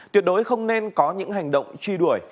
tuyệt đối không nên có những hành động truy đuổi